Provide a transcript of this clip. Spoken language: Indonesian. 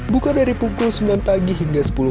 buka dari pukul sembilan pagi hingga sepuluh